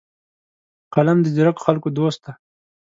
قلم د ځیرکو خلکو دوست دی